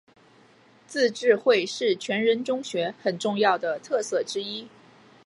自治会是全人中学很重要的特色之一。